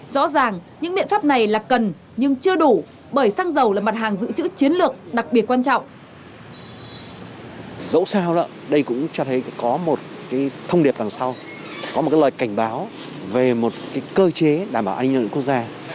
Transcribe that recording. rõ ràng những biện pháp này là cần nhưng chưa đủ bởi xăng dầu là mặt hàng giữ chữ chiến lược đặc biệt quan trọng